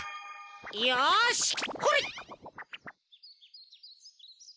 よしほれっ。